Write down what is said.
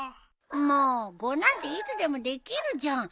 もう碁なんていつでもできるじゃん。